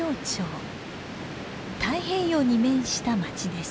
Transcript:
太平洋に面した町です。